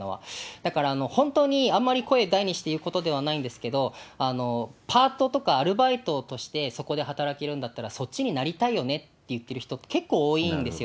だから、本当にあんまり声を大にして言うことではないんですけど、パートとかアルバイトとしてそこで働けるんだったら、そっちになりたいよねって言ってる人、結構多いんですよ。